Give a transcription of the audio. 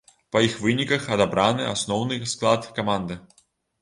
Па іх выніках адабраны асноўны склад каманды.